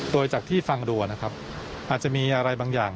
โดยจากที่ฟังดูนะครับอาจจะมีอะไรบางอย่าง